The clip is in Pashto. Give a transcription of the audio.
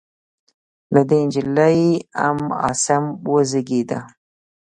له دې نجلۍ ام عاصم وزېږېده.